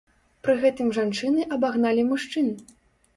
Пры гэтым жанчыны абагналі мужчын.